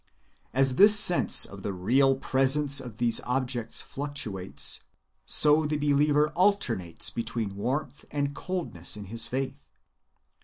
As his sense of the real presence of these objects fluctuates, so the believer alternates between warmth and coldness in his faith.